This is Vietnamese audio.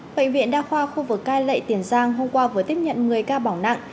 bệnh viện đa khoa khu vực cai lệ tiền giang hôm qua vừa tiếp nhận người ca bỏng nặng